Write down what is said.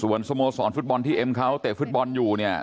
ส่วนสโมสรฟุตบอลที่เอ็มเขาเตะฟุตบอลอยู่เนี่ย